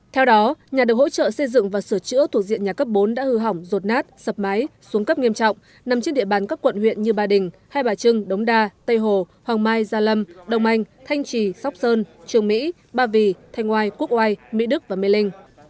theo đó nhà được hỗ trợ xây dựng và sửa chữa thuộc diện nhà cấp bốn đã hư hỏng rột nát sập máy xuống cấp nghiêm trọng nằm trên địa bàn các quận huyện như ba đình hai bà trưng đống đa tây hồ hoàng mai gia lâm đông anh thanh trì sóc sơn trường mỹ ba vì thanh ngoài quốc oai mỹ đức và mê linh